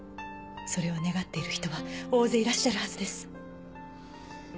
それを願っている人は大勢いらっしゃるはずです。